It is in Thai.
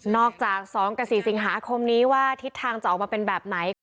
อกจาก๒กับ๔สิงหาคมนี้ว่าทิศทางจะออกมาเป็นแบบไหน